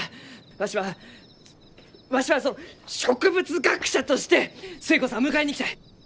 わしはわしは植物学者として寿恵子さんを迎えに行きたい！